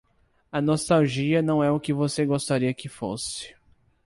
A nostalgia não é o que você gostaria que fosse.